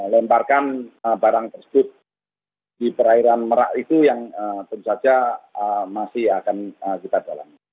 lemparkan barang tersebut di perairan merak itu yang tentu saja masih akan kita dalami